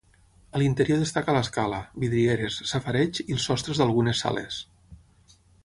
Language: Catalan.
A l'interior destaca l'escala, vidrieres, safareig i els sostres d'algunes sales.